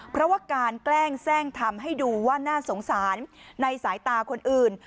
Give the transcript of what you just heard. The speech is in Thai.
เพราะว่าการแกล้งแทร่งทำให้ดูว่าน่าสงสารในสายตาคนอื่น